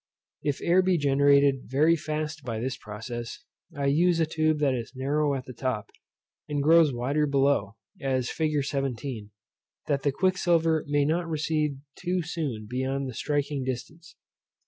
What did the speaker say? If air be generated very fast by this process, I use a tube that is narrow at the top, and grows wider below, as fig. 17, that the quicksilver may not recede too soon beyond the striking distance.